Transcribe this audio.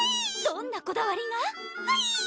どんなこだわりが？はひ！